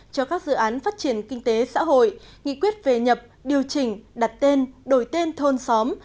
cho các dự án phát triển kinh tế xã hội nghị quyết về nhập điều chỉnh đặt tên đổi tên thôn xóm